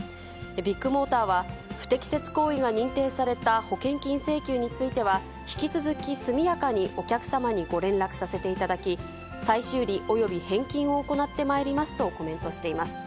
ビッグモーターは、不適切行為が認定された保険金請求については、引き続き速やかにお客様にご連絡させていただき、再修理および返金を行ってまいりますとコメントしています。